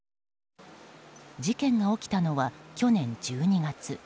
事件が起きたのは去年１２月。